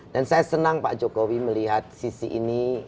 dan saya senang pak jokowi melihat sisi ini